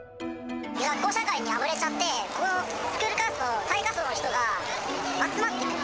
学校社会にあぶれちゃって、スクールカーストの最下層の人が集まって。